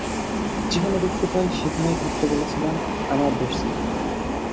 যেখানে দেখতে পাই সেখানেই থাকতে বলেছিলাম - আমার দোষ ছিল না।